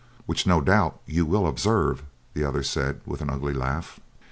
"Which, no doubt, you will observe," the other said, with an ugly laugh.